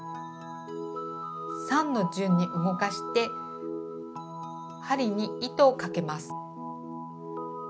３の順に動かして針に糸をかけます。